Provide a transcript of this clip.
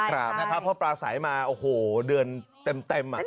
เพราะปลาใสมาโอ้โหเดือนเต็ม